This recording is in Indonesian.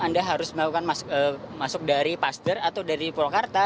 anda harus melakukan masuk dari pasder atau dari purwakarta